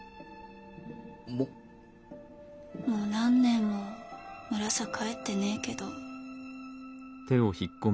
もう何年も村さ帰ってねえけど。